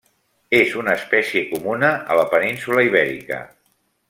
És una espècie comuna a la península Ibèrica.